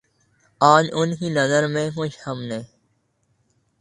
آج ان کی نظر میں کچھ ہم نے